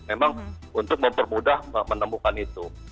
memang untuk mempermudah menemukan itu